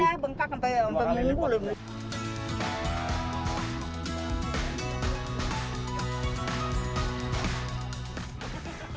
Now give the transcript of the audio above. iya bengkak sampai minggu minggu